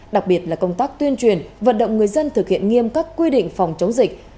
đặc biệt là công tác tuyên truyền vận động người dân thực hiện nghiêm các quy định phòng chống dịch